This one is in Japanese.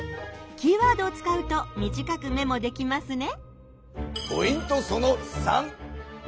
キーワードを使うと短くメモできますね。